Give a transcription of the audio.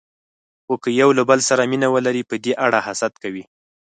خو که یو له بل سره مینه ولري، په دې اړه حسد کوي.